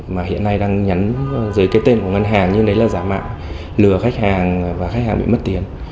mà hiện nay đang nhắn dưới cái tên của ngân hàng nhưng đấy là giả mạo lừa khách hàng và khách hàng bị mất tiền